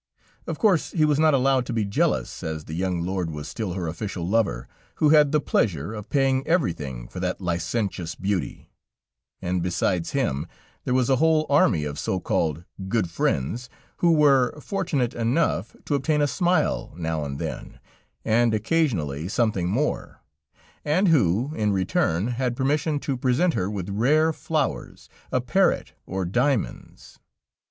Of course he was not allowed to be jealous, as the young lord was still her official lover, who had the pleasure of paying everything for that licentious beauty, and besides him, there was a whole army of so called "good friends," who were fortunate enough to obtain a smile now and then, and occasionally, something more, and who, in return, had permission to present her with rare flowers, a parrot or diamonds.